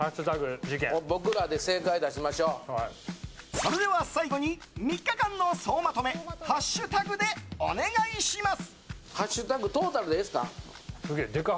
それでは最後に３日間の総まとめハッシュタグでお願いします。